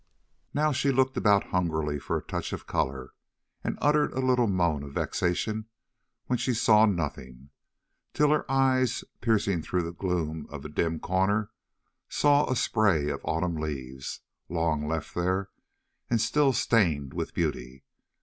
Now she looked about hungrily for a touch of color and uttered a little moan of vexation when she saw nothing, till her eyes, piercing through the gloom of a dim corner, saw a spray of autumn leaves, long left there and still stained with beauty.